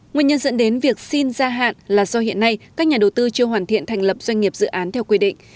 nguyên nhân dẫn đến việc xin gia hạn là do hiện nay các nhà đầu tư chưa hoàn thiện thành lập doanh nghiệp dự án theo quy định